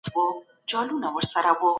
تاسي په خپلو ملګرو کي صادق یاست.